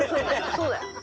そうだよ。